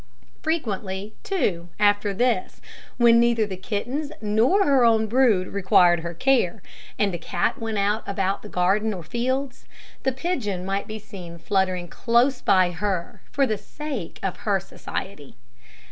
Frequently, too, after this, when neither the kittens nor her own brood required her care, and the cat went out about the garden or fields, the pigeon might be seen fluttering close by her, for the sake of her society.